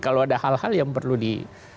kalau ada hal hal yang perlu di